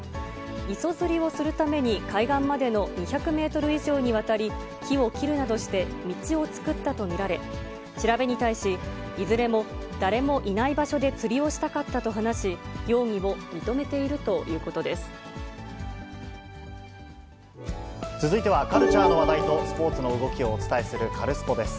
磯釣りをするために海岸までの２００メートル以上にわたり、木を切るなどして、道を作ったと見られ、調べに対し、いずれも、誰もいない場所で釣りをしたかったと話し、容疑を認めているとい続いては、カルチャーの話題とスポーツの動きをお伝えするカルスポっ！です。